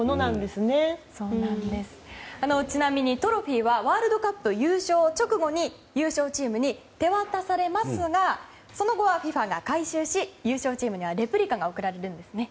ちなみに、トロフィーはワールドカップ優勝直後に優勝チームに手渡されますがその後はＦＩＦＡが回収し優勝チームにはレプリカが贈られるんですね。